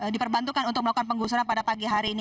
diperbantukan untuk melakukan penggusuran pada pagi hari ini